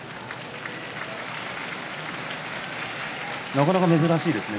なかなか珍しいですね